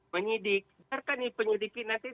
menyidik misalkan penyidikinan